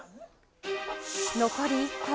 残り１校。